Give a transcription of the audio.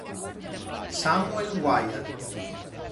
Samuel Wyatt